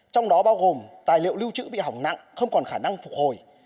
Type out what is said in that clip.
trong đó bao gồm tài liệu lưu trữ bị hỏng nặng không còn khả năng phục hồi